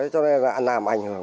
cho nên làm ảnh hưởng